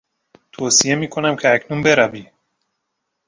توصیه میکنم که اکنون بروی.